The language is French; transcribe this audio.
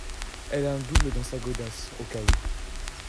elle a un double dans sa godasse, au cas où.